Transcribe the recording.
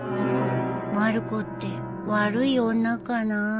まる子って悪い女かな？